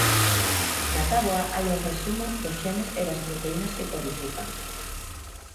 Na táboa hai un resumo dos xenes e das proteínas que codifican.